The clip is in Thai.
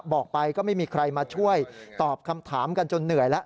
บอกไปก็ไม่มีใครมาช่วยตอบคำถามกันจนเหนื่อยแล้ว